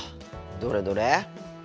どれどれ？